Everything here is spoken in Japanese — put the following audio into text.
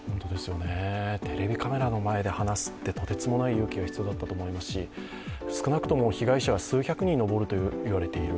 テレビカメラの前で話すってとてつもない勇気が必要だったと思いますし少なくとも被害者は数百人に上るといわれている。